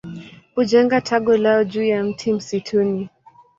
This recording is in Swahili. Hujenga tago lao juu ya mti msituni.